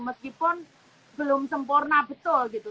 meskipun belum sempurna betul gitu